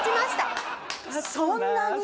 そんなに？